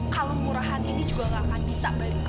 kalung murahan ini juga nggak akan bisa balik ke lu